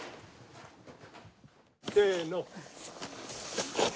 せの。